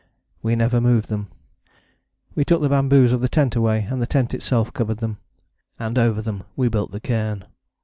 We never moved them. We took the bamboos of the tent away, and the tent itself covered them. And over them we built the cairn.